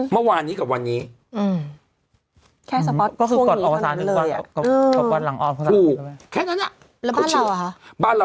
แล้วบ้านเราหรอ